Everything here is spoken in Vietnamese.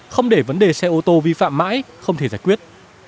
không để vấn đề xe ô tô vi phạm mãi không thể giải quyết